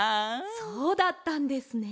そうだったんですね。